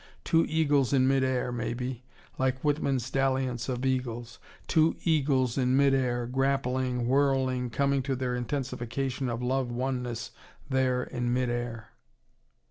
Two eagles in mid air, maybe, like Whitman's Dalliance of Eagles. Two eagles in mid air, grappling, whirling, coming to their intensification of love oneness there in mid air.